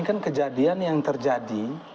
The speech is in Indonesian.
kejadian yang terjadi